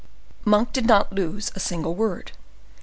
'" Monk did not lose a single word.